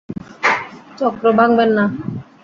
চক্র ভাঙ্গবেন না।